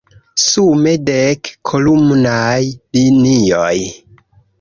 Sume, dek kolumnaj linioj.